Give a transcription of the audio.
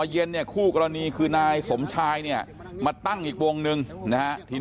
เย็นเนี่ยคู่กรณีคือนายสมชายเนี่ยมาตั้งอีกวงหนึ่งนะฮะที